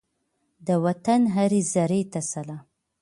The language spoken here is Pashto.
د وطن هرې زرې ته سلام!